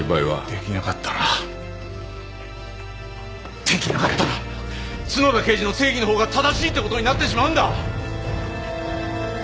できなかったらできなかったら角田刑事の正義の方が正しいってことになってしまうんだ！